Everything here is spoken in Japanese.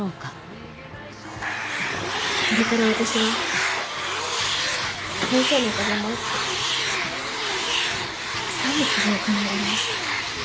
それから私は先生のおかげもあってたくさんの希望を叶えられました。